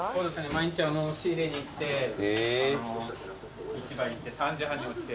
毎日仕入れに行って市場へ行って３時半に起きて。